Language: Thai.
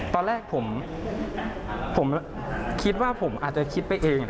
ตอนแรกผมคิดว่าผมอาจจะคิดไปเอง